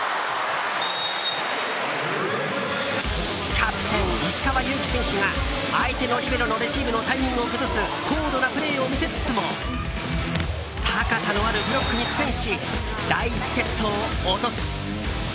キャプテン石川祐希選手が相手のリベロのレシーブのタイミングを崩す高度なプレーを見せつつも高さのあるブロックに苦戦し第１セットを落とす。